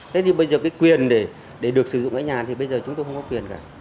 thế thì bây giờ cái quyền để được sử dụng ở nhà thì bây giờ chúng tôi không có quyền cả